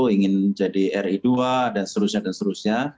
ingin jadi ri dua dsb